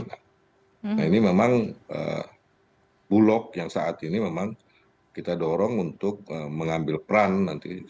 nah ini memang bulog yang saat ini memang kita dorong untuk mengambil peran nanti